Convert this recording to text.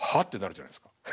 ってなるじゃないですか。